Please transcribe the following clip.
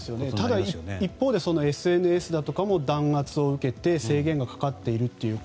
ただ一方でＳＮＳなども弾圧を受けて制限がかかっていると。